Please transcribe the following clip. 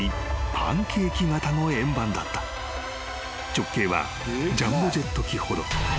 ［直径はジャンボジェット機ほど］